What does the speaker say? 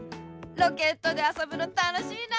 ロケットであそぶのたのしいな。